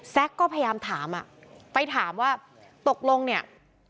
แซ็กก็พยายามถามไปถามว่าตกลงเนี่ย